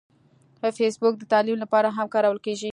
فېسبوک د تعلیم لپاره هم کارول کېږي